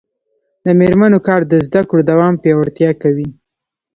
د میرمنو کار د زدکړو دوام پیاوړتیا کوي.